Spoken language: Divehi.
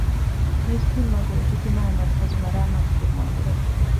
މިސްކިތްމަގު އިޖުތިމާޢީ މަރުކަޒު މަރާމާތު ކުރުމާގުޅޭ